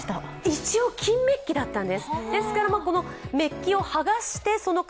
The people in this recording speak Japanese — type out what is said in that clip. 一応、金メッキだったんです。